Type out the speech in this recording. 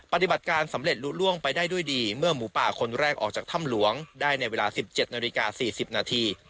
ปฏิบัติการสำเร็จลุล่วงไปได้ด้วยดีเมื่อหมูป่าคนแรกออกจากถ้ำหลวงได้ในเวลา๑๗นาฬิกา๔๐นาที